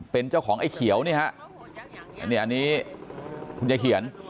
เป็นเจ้าของไอ้เขียวนี่ฮะอันนี้คุณยายเขียน